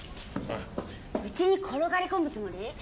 家に転がりこむつもり！？